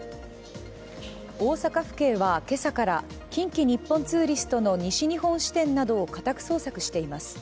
大阪府警は今朝から近畿日本ツーリストの西日本支店などを家宅捜索しています。